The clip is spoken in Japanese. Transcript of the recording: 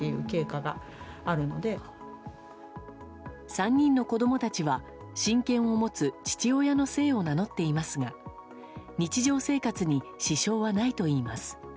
３人の子供たちは、親権を持つ父親の姓を名乗っていますが日常生活に支障はないといいます。